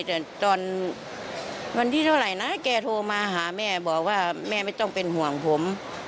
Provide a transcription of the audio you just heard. แต่ตอนวันที่เท่าไหร่นะแกโทรมาหาแม่บอกว่าแม่ไม่ต้องเป็นห่วงผม